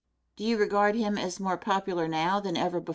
Do you regard him as more popular now than ever before?